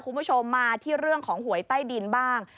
คุณผู้ชมมาที่เรื่องของหวยใต้ดินบ้าง